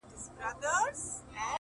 هره لوېشت مي د نيکه او بابا ګور دی!.